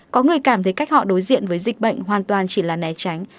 có người cảm thấy cách họ đối diện với dịch bệnh hoàn toàn chỉ là né tránh